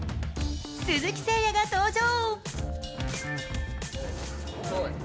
鈴木誠也が登場。